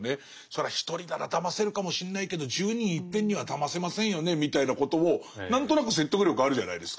それは１人ならだませるかもしんないけど１０人いっぺんにはだませませんよねみたいなことを何となく説得力あるじゃないですか。